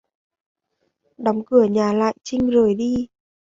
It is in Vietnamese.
Đóng cửa nhà lại Trinh rời đi